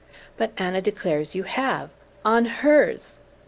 "But Anna declares you have on hers!"